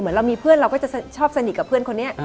เรามีเพื่อนเราก็จะชอบสนิทกับเพื่อนคนนี้